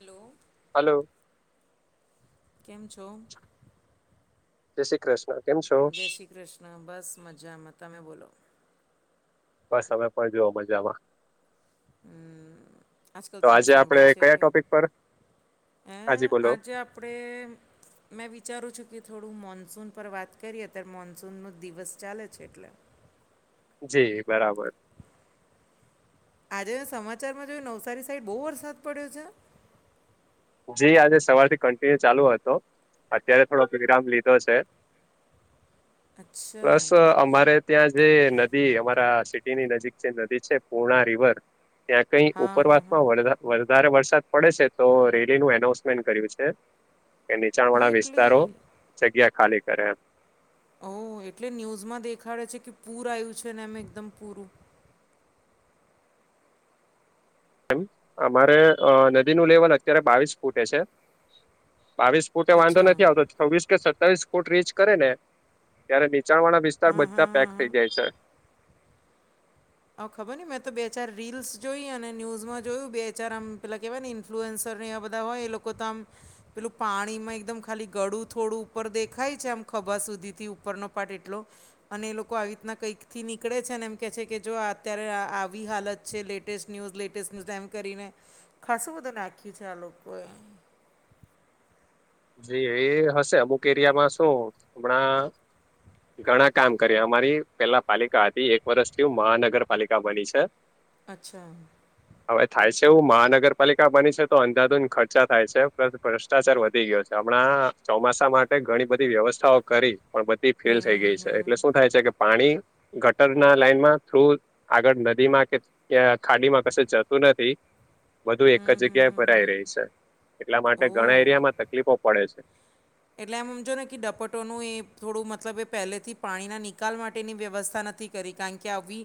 Hello. Hello. કેમ છો? જય શ્રી કૃષ્ણ. કેમ છો? હા બસ મજામાં. તમે બોલો. બસ અમે પણ જુઓ મજામાં. હમ્મ. આજકાલ તો મેં આજે આપણે સાંભળ્યું છે, કયા કે ટોપિક પર હે હાજી બોલો આજે આપ પણે મેં વિચારું છું કે થોડું મોન્સૂન પર વાત કરીએ. અત્યારે મોન્સૂન નો દિવસ ચાલે છે એટલે. જી બરાબર. આજે મેં સમાચારમાં જોયું, નવસારી સાઈડ બહુ વરસાદ પડ્યો છે? જી. આજે સવાર થી કન્ટિન્યુ ચાલુ હતો. અત્યારે થોડોક વિરામ લીધો છે. [inaudible] અચ્છા બસ અમારે ત્યાં જે નદી અમારા સિટીની નજીક જે નદી છે પૂર્ણા રિવર. ત્યાં કંઈ હા હા ઉપરવાસ હા માં [unintelligible] વરસાદ પડે છે, તો રેટ તેનું એનાઉન્સમેન્ટ કર્યું છે, કે નીચાણ હા વાળા એટલે વિસ્તારો જગ્યા ખાલી કરે એમ. ઓહ! એટલે ન્યૂઝમાં દેખાડે છે કે પૂર આયું છે, ને આમ એકદમ પૂરું. અમારે અહ નદી નું લેવલ અત્યારે બાવીસ ફૂટે છે. બાવીસ ફૂટે વાંધો ત્યાં અચ્છા નથી આવતો. છવ્વીસ, સતાવીસ ફૂટ રીચ કરે ને, ત્યારે નીચાણ વાળા વિસ સ્તાર હા હા બધા પેક હા થઈ હા જાય છે. અહ ખબર નહીં. મેં તો બે-ચાર રીલ્સ જોઈ, અને ન્યૂઝમાં જોયું. બે-ચાર આમ પહેલા કહેવાય ને ઈન ફ્લુએન્સર ને એવાં બધા હોય એ લોકો તો આમ પહેલું પાણીમાં એકદમ ખાલી ગળું થોડું ઉપર દેખાય છે. આમ ખભા સુધી થી ઉપરનો પાર્ટ એટલો. અને એ લોકો આવી રીતના કંઈક થી નીકળે છે, ને એમ કહે છે કે જો આ અત્યારે આવી હાલત છે, લેટેસ્ટ ન્યૂઝ, લેટેસ્ટ ન્યૂઝ એમ કરીને. ખાસું બધું નાખ્યું છે આ લોકો એ. જી એ હશે. અમુક એરિયામાં શું હમણાં ઘણા કામ કર્યાં. અમારી પેલા પાલિકા હતી, એક વર્ષ થી હુ મહાનગરપાલિકા બની છે. અચ્છા. હવે, થાય છે એવું, મહાનગરપાલિકા બની છે, તો અંધાધુંધ ખર્ચા થાય છે. ભ્રષ્ટાચાર વધી ગયો છે. હમણાં, ચોમાસા માટે ઘણી બધી વ્યવસ્થાઓ કરી. પણ બધી ફીલ થઈ ગઈ હમ છે. એટલે હમ શું થાય છે કે પાણી- ગટરના લાઈનમાં થ્રુ આગળ નદી માં કે ત્યા ખાડી માં કશે જતું નથી, બધું એક જ જગ્યાએ ભરાય રેય છે. એટલા માટે્ ઓ ઘણા એરિયામાં તકલીફો પડે છે. એટલે એમ હમજો ને, કે ડપટોનું એ થોડું મતલબ એ, પહેલેથી પાણીના નિકાલ માટેની વ્યવસ્થા નથી. -કરી કારણ કે આવી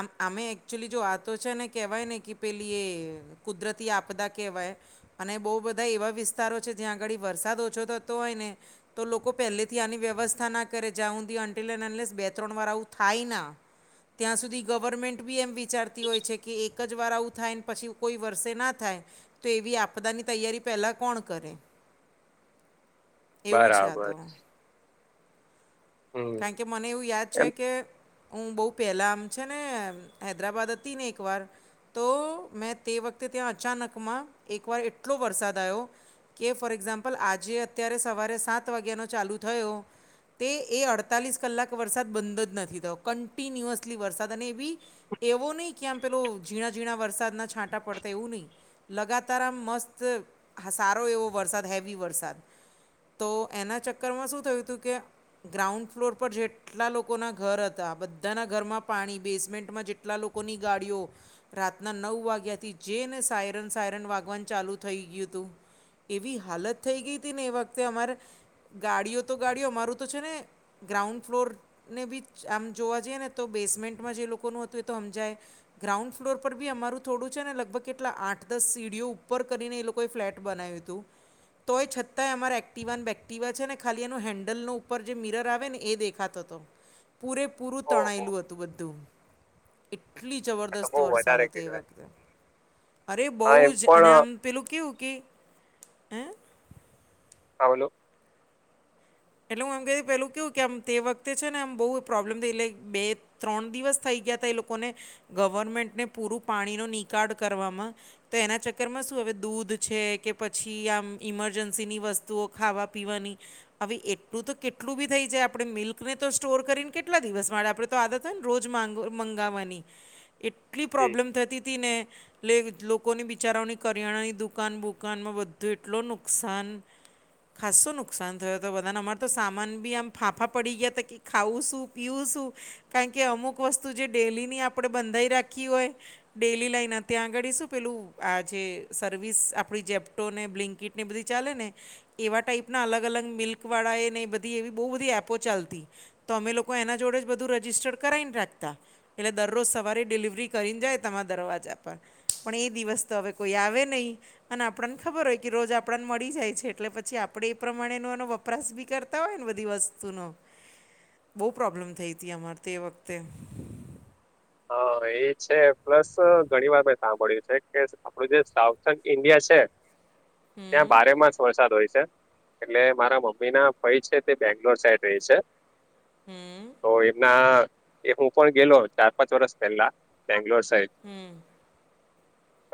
આમ આમે એકચુલી જો આતો છે ને, કહેવાય ને કે, પેલી એ- કુદરતી આપદા કહેવાય, અને બહુ બધા એવા વિસ્તારો છે, જ્યાં આગળ વરસાદ ઓછો તો- -તો એને- તો લોકો પહેલેથી આની વ્યવસ્થા ના કરે જ્યાં હુંધ બે ત્રણ વાર આવું થાય ના ત્યાં સુધી ગવર્મેન્ટ બી એમ વિચારતી હોય છે કે, એક જ વાર આવું થાય ને પછી કોઈ વર્ષે ના થાય! તો, એવી આપદાની તૈયારી પહેલાં કોણ કરે? એવું છે આ બરાબર તો, હમ કારણ કે મને એવું યાદ છે એમ કે- હું, બહુ પેલા આમ છે ને, હૈદરાબાદ હતી ને એક વાર- તો, મેં તે વખતે ત્યાં, અચાનકમાં એકવાર એટલો વરસાદ આવ્યો! -કે ફોર એક્ઝામ્પલ આજે, અત્યારે સવારે સાત વાગ્યાનો ચાલુ થયો- તે, એ અડતાલીસ કલાક વરસાદ બંધ જ નથી થયો. કન્ટિન્યુઅસલી વરસાદ અને એ બી- એવો નહીં કે, આમ પેલો ઝીણા ઝીણા વરસાદના છાંટા પડતા. એવું નહી. લગાતાર, આમ મસ્ત, સારો એવો વરસાદ હેવી વરસાદ- -તો એના ચક્કરમાં શું થયું તું કે, ગ્રાઉન્ડ ફ્લોર પર જે- કેટલા લોકોના ઘર હતા, બધાના ઘરમાં પાણી. બેસમેન્ટમાં જેટલા લોકોની ગાડીઓ- રાતના નવ વાગ્યાથી જેને સાયરન સાયરન વાગવાન ચાલુ થઈ ગયું તું એવી હાલત થઈ ગઈ હતી ને એ વખતે અમારે ગાડીઓ તો ગાડીઓ અમારું તો છે ને ગ્રાઉન્ડ ફ્લોરને બી, આમ જોવા જઈએ ને તો, બેસમેન્ટમાં જે લોકોનું હતું. એ તો સમજાય- ગ્રાઉન્ડ ફ્લોર પર બી, અમારું થોડું છે ને, લગભગ કેટલા આઠ દસ સીડીઓ ઉપર કરીને લોકો- કોઈ ફલેટ બનાવ્યું હતું, તો એ છતાં અમારા- ટિવન બેક્ટિવા છે ને ખાલી એનું હેન્ડલનો ઉપર જે મિર આવે ને એ દેખાતો તો પૂરેપૂરું ઓહો તણાયેલું આ હતું બધું. એટલી, તો જબરદસ્ત બહુ વરસાદ વધારે હતો, એ કહેવાય વખતે અરે બહુ હા એમ જ, અને પણ આમ- પેલુ કેવું કે હ [unintelligible] એટલે, હું એમ કહી, પેલું કેવું કે, આમ તે વખતે છે ને, આમ બહુ પ્રોબ્લેમ થાય, એટલે બે- ત્રણદિવસ થઈ ગયા હતા, એ લોકોને, ગવર્મેન્ટને પૂરું પાણીનો નિકળ કરવામાં- તો એના ચક્કરમાં શું હવે દૂધ છે કે પછી આમ ઈમરજન્સીની વસ્ તો, ખાવા પીવાની- હવે, એટલું તો કેટલું બી થઈ જાય, આપડે મિલ્ક ને તો સ્ટોર કરીને, કેટલા દિવસ માટે આપણે- તો, આદત હોય ને, રોજ મંગાવવાની, એટલી જી પ્રોબ્લેમ થતી હતી ને- એટલે, લોકોની બિચારાઓની, કરિયાણાની દુકાન બુકાનમાં બધો એટલો નુકશાન- ખાસ્સુ નુકસાન - -તો તો બધાને, અમાર તો સામાન બી આમ ફાંફા પડી ગયા હતા કે ખાવું શું, પીઉું શું? કારણ કે અમુક વસ્તુ જે ડેલીની આપણે બંધાઈ રાખી હોય. ડેલી લઈને ત્યાં આગળ શું પેલું આ જે સર્વિસ આપણી જેબ તો ને બ્લકીટ ને બધી ચાલે ને એવા ટાઈપના અલગ અલગ મિલ્ક વાળા એ ને બધી એવી બો બધી એપો ચાલતી તમે લોકો એના જોડે જ બધું રજિસ્ટર્ડ કરાવને રાખતા એટલે દરરોજ સવારે ડિલિવરી કરીને જાય તમા દરવાજા પર પણ એ દિવસ તો હવે કોઈ આવે નહી અને આપણાને ખબર હોય, કે રોજ આપણાન મળી જાય છે. એટલે પછી આપણેે એ પ્રમાણેનોન પણ વપરાશ બી કરતા હોય ને બધી વસ્તુનો. બહુ પ્રોબ્લેમ થઈ તી અમાર તે વખતે હા એ છે. પ્લસ ઘણી બાબત સાંભળ્યું છે, કે આપણું જે સાઉથક ઇન્ડિયા છે ત્યાં હમ બારેમાસ વરસાદ હોય છે. એટલે મારા મમ્મી ના ફઈ છે, તે બેંગ્લોર સાઈડ રેઈ છે. હમ [unintelligible] એ હું પણ ગેલો ચાર પાંચ વર્ષ પહેલા બેંગ્લોર સાઇડ હું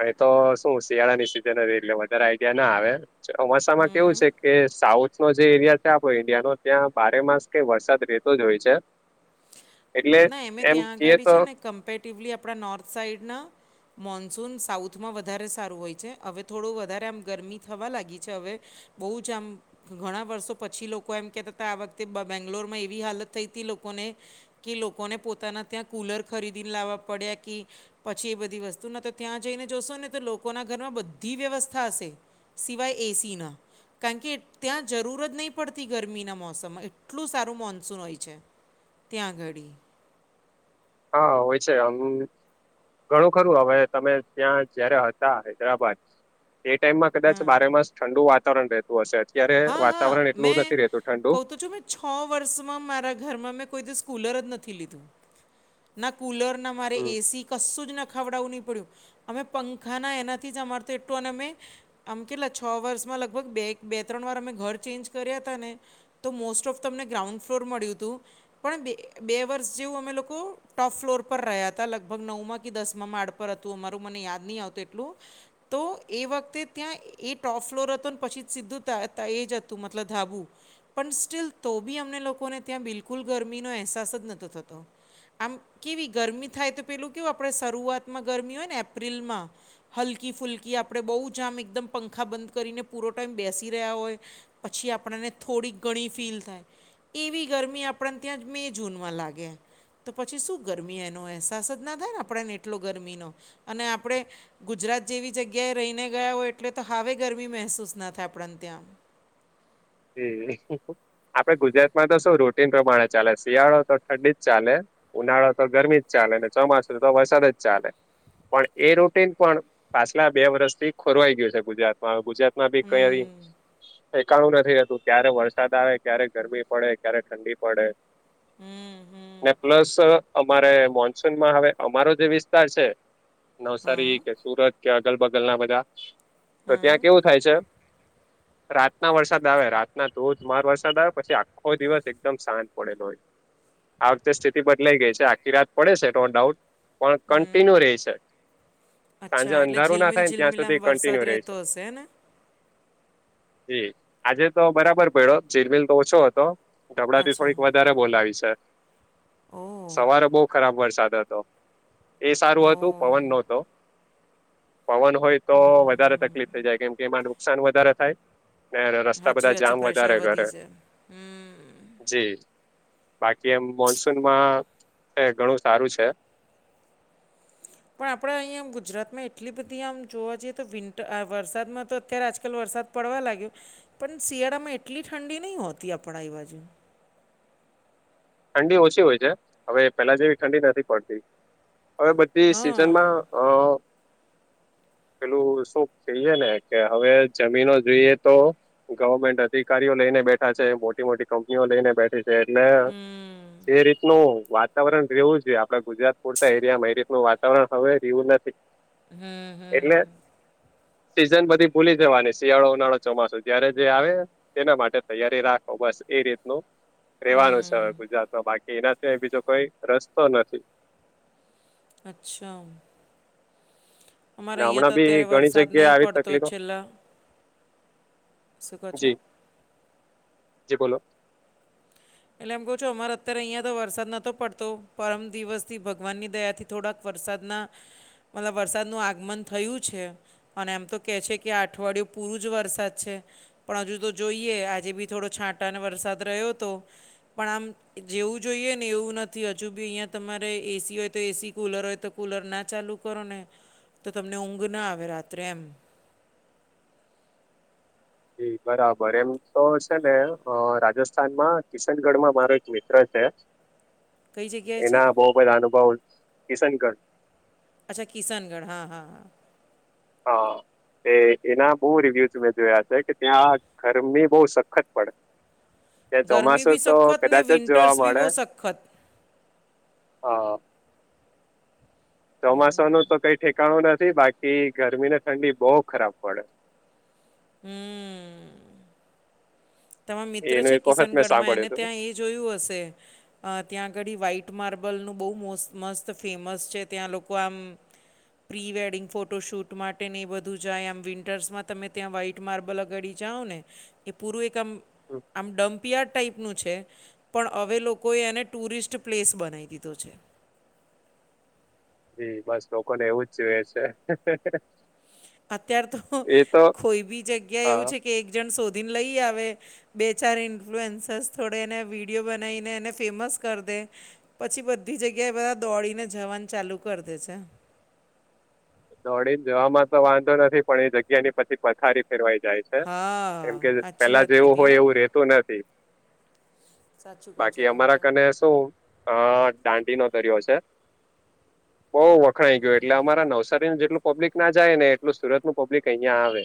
અય તો શું શિયાળાની સિઝન હતી એટલે વધારે આઈડિયા ના આવે ચોમાસામાં હમ કેવું છે કે સાઉથ નો જે એરિયા છે આપનો ઈન્ડિયાનો ત્યાં બારે માસ કઈ વરસાદ રેતો જ હોય છે. એટલે એમ જે કમ્પેરેટિવલી આપણા નોર્થ સાઈડના મોન્સૂન સાઉથમાં વધારે સારું હોય છે હવે થોડું વધારે આમ ગરમી થવા લાગી છે હવે બોવ જ આમ ઘણા વર્ષો પછી લોકો એમ કેતા તા આ વખતે બેંગ્લોર માં એવી હાલત થઈ તી લોકોને કે લોકોને પોતાના ત્યાં કૂલર ખરીદીને લાવવા પડિયા કી પછી એ બધી વસ્તુના તો ત્યાં જઈને જોશો ને તો લોકોના ઘરમાં બધી વ્યવસ્થા હશે સિવાય એસીના કારણ કે ત્યાં જરૂર જ નઈ પડતી ગરમીના મોસમમાં એટલું સારું મોન્સૂન હોય છે. ત્યાં આગળી હા હોય છે આવું ઘણું ખરું હવે તમે ત્યાં જયારે હતા હૈદરાબાદ એ ટાઈમમાં કદાચ હા બારે માસ ઠંડુ વાતાવરણ રહ હશે અત્યારે હા હા વાતાવરણ એટલું મેં નથી રેતું ઠંડુ કહું તો છું મેં છ વર્ષમાં મારા ઘરમાં મેં કોઈ દિવસ સ્કૂલર જ નથી લીધું. ના કુલર ના મારે હમ એસી કશું જ ન નાખવડાવું નહીં પડ્યું અમે પંખાના એનાથી જ અમાર એટલું અને અમે આમ કેટલા છ વર્ષમાં લગભગ બે બે ત્રણ વાર અમે ઘર ચેન્જ કર્યા તાને તો મોસ્ટ ઓફ તમને ગ્રાઉન્ડ ફ્લોર મળ્યું તું પણ બે વર્ષ જેવું અમે લોકો ટોપ ફ્લોર પર રહ્યા તા લગભગ નવમાં કે દસ માં માળ પર હતું અમારું મને યાદ ની આવતું એટલું તો એ વખતે ત્યાં એ ટોપ ફ્લોર હતો ને પછી જ સીધું [unintelligible] એ જ હતું મતલબ ધાબું પણ સ્ટીલ તો બી અમને લોકોને ત્યાં બિલકુલ ગરમીનો અહેસાસ જ નતો થતો આમ કેવી ગરમી થાય તો પેલું કેવું આપણે શરૂઆતમાં ગરમી હોય ને એપ્રિલમાં હલકી ફુલકી આપણે બહુ જામ એકદમ પંખા બંધ કરીને પૂરો ટાઈમ બેસ બેસી રહ્યા હોય પછી આપણને થોડી ઘણી ફીલ થાય એવી ગરમી આપણને ત્યાં મે જૂનમાં લાગે તો પછી શું ગરમી એનો અહેસાસ જ ના થાય ને આપણેને એટલો ગરમીનો અને આપણે ગુજરાત જેવી જગ્યાએ રહીને ગયા હોય એટલે તો સાવે ગરમી મહેસૂસ ના થાય આપણને ત્યાં આપડે ગુજરાતમાં તો શું રૂટીન પ્રમાણે ચાલે શિયાળો તો ઠંડી જ ચાલે ઉનાળો તો ગરમી જ ચાલે અને ચોમાસું તો વરસાદ જ ચાલે પણ એ રૂટીન પણ પાછલા બે વર્ષથી ખોરવાઈ ગયું છે ગુજરાતમાં હવે ગુજરાત માં બી કઈ હમ ઠેકાનું નથ [unintelligible] ક્યારે વરસાદ આવે ક્યારે ગરમી પડે ક્યારે ઠંડી પડે હમ હમ ને પ્લસ અ અમારે મોનસૂનમાં હવે અમારો જે વિસ્તાર છે. હા નવસારી કે સુરત કે અગલ બગલ ના બધા, તો હા ત્યાં કેવું થાય છે. રાતના વરસાદ આવે રાતના ધોધમાર વરસાદ આવે પછી આખ કોઈ દિવસ એકદમ સાંજ પડે તોય, આ વખતે સ્થિતિ બદલાય ગઈ છે આખી રાત પડે છે નો ડાઉટ, પણ કન્ટિન્યુ રે છે, સાંજે અચ્છા એટલે અંધારું ના ઝિલમિલ થાય ને ત્યાં ઝિલમિલ આમ સુધી વરસાદ કન્ટિન્યુ રે રહેતો છે,. હશે ને એ આજે તો બરાબર પડ્યો જીરમીલ તો ઓછો હતો ધબડાટી અચ્છા થોડીક વધારે બોલાવી છે ઓહ સવારે બહું ખરાબ વરસાદ હતો., એ સારૂ હતું ઓહ પવન નોતો પવન હોય તો વધારે તકલીફ થઈ જાય કેમકે એમાં નુકસાન વધારે થાય, રસ્તા હાચી બધા વાત જામ છેે વધારે પ્રેશર કરે વધી જાય, જી બાકી એમ મોન્સુનમાં ઘણું સારું છે, પણ આપણે અહીંયા આમ ગુજરાતમાં એટલી બધી આમ જોવા જઈએ તો વિન્ટર વરસાદ માં તો અત્યારે આજકાલ વરસાદ, પડવા લાગ્યો પણ શિયાળામાં એટલી ઠંડી નહી હોતી આપડે અહીં બાજુ, ઠંડી ઓછી હોય છે હવે પેલા જેવી ઠંડી નથી હોતી, હવે બધી હા સિઝન માં અ પેલું શું કહીએ ને કે હવે જમીનો જોઈએ તો, ગવર્મેન્ટ અધિકારીઓ લઈને બેઠા છે મોટી મોટી કંપનીઓ લઈને બેઠી છે એટલે, હમમ જે રીતનું વાતાવરણ રહેવું જોઈએ આપણા ગુજરાત પૂરતા એરિયામાં એ રીતનું વાતાવરણ હવે રયુ નથી., એટલે, સિઝન બધી ભૂલી જવાની શિયાળો ઉનાળો ચોમાસુ જ્યારે જે આવે, તેના માટે તૈયારી રાખો બસ એ રીતનું, રેવાનું છે હવે ગુજરાતમાં બાકી એના સિવાય બીજો કોઈ રસ્તો નથી., અચ્છા, અમારે ને અહીંયા હમણાં તો બી અત્યારે ઘણી વરસાદ જગ્યાએ નહીં આવી પડતો તકલીફો, છેલ્લા શું કહો છો જી બોલો, એટલે એમ કહું છું અમારે અત્યારે અહીંયા તો વરસાદ નહોતો પડતો પરમ દિવસ થી ભગવાનની દયાથી થોડાક વરસાદના વરસાદનુ આગમન થયું છે, અને એમ તો કે છે કે આ અઠવાડિયું બોવ જ વરસાદ છે, પણ હજી તો જોઈએ, આજે બી થોડો છાંટા ને વરસાદ રહ્યો હતો, પણ આમ જેવું જોઈએ ને એવું નથી હજુ બી અહીંયા તમારે એસી હોય તો એસી કૂલર હોય તો, કૂલર ના ચાલુ કરોને તો તમને ઊંઘ ને આવે રાત્રે એમ, ઇ બરાબર એમ તો છે ને રાજસ્થાન માં. કિશનગઢ માં મારો એક મિત્ર છે, કઈ જગ્યાએ છે એના બોવ બધા અનુભવ કિશનગઢ, અચ્છા કિશનગઢ હા હા હા, હા તે એના બોવ રિવ્યૂ મેં જોયા છે કે ત્યાં ગરમી બોવ સખત પડે, ત્યાં ગરમી ચોમાસું બી તો સખત ને વિંન્ટર્સ બી બોવ સખ્ખત. હા, ચોમાસા નું તો કઈ ઠેકાણું નથી બાકી ગરમી ને ઠંડી બોવ પડે, હમમ તમારા મિત્ર એનું છે એક વખત મેં કિશનગઢમાં એને સાંભળ્યું હતું ત્યાં એ જોયું હશે, ત્યાં આગળ ઇ વ્હાઈટ માર્બલનું બહુ મોસ્ત મસ્ત ફેમસ છે ત્યાં લોકો આમ, પ્રી વેડિંગ ફોટો શૂટ માટે ને એ બધું જાય આમ વિન્ટર્સ માં તમે ત્યાં વ્હાઈટ, માર્બલ અગાડી જાવ ને એ પૂરું એક હમ, આમ ડમ્પયાર્ડ ટાઈપ, નું છે પણ અમે લોકો એને ટૂરિસ્ટ પ્લેસ બનાવી દીધું છે હમ બસ લોકોને એવું જવે છે. અત્યાર તો એ તો કોઈ બી જગ્યા હ એવું છે કે એક જણ શોધીને લઈ આવે. બે ચાર ઇન્ફ્લુઅન્સર્સ થોડે એને વિડીયો બનાવીને એને ફેમસ કરી દે. પછી બધી જગ્યાએ બધા દોડીને જવાનું ચાલુ કરી દે છે. દોડી ને જવાવામાં તો વાંધો નથી પણ એ જગ્યા ની પછી પથારી ફેરવાઈ જાય. હે કેમ હા કે સાચી પેલા વાત જેવું કીધી હોય હા એવું રે તુ નથી સાચું કહો છો બાકી અમારા તમે કને શું હ દાંડી નો દરિયો છે. બહુ વખણાઈ ગયો એટલે અમારા નવસારી નવસારી નુ જેટલું પબ્લિક ના જાય ને એટલું સુરત નું પબ્લિક અહિયાં આવે.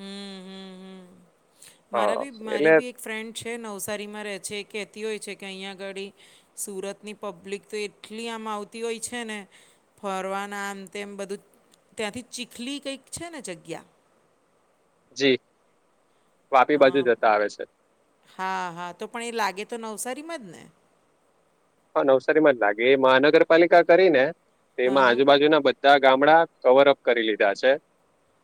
હમ હમ હમ મારા હા. બી મારી એટલે બી એક ફ્રેન્ડ છે નવસારીમાં રહે છે. એ કહેતી હોય છે કે અહીંયા અગાડી સુરત ની પબ્લિક તો એટલી આમ આવતી હોય છે ને ફરવાના આમ તેમ બધું ત્યાંથી ચીખલી કંઈક છે ને જગ્યા. જી. વાપી બાજુ હા જતા આવે છે. હા હા. તો પણ એ લાગે તો નવસારીમાં જ ને. હા નવસારીમાં જ લાગે. એ મહાનગરપાલિકા કરી ને તે એમાં હા આજુબાજુના બધા ગામડા કવર અપ કરી લીધા છે.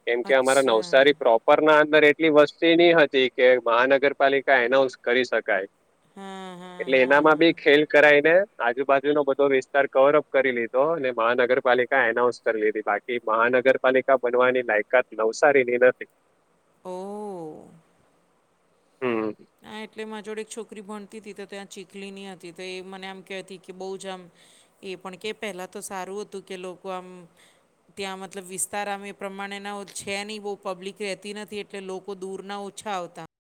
કેમ કે અમારા અચ્છા નવસારી પ્રોપ ઉપર ના અંદર એટલી વસ્તી નની હતી કે મહાનગરપાલિકા એનાઉન્સ કરી શકાય. હા હા હા એનામા બા હા ભી ખેલ આજુ બાજુ નો બધો વિસ્તાર કવર અપ કરી લીધો અને મહાનગરપાલિકા એનાઉન્સ કરી લીધી. બાકી એ મહાનગરપાલિકા બનવાની લાયકાત નવસારીની નથી. ઓહ. હમ્મ. હા. એટલે મા જોડે એક છોકરી ભણતી હતી. તો ત્યાં ચીખલીની હતી તો એ મને આમ કહેતી કે બહુ જ આમ એ પણ કે પહેલાં તો સારું હતું કે લોકો આમ ત્યાં વિસ્તાર એ પ્રમાણેના છે નહી બહુ પબ્લિક રહેતી નથી એટ કે લોકો દૂર ના ઓછા આવતા.